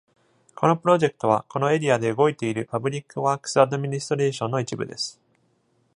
このプロジェクトはこのエリアで動いているパブリックワークスアドミニストレーションの一部です。